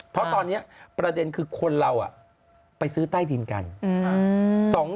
เพราะตอนนี้ประเด็นคือคนเราไปซื้อใต้ดินกัน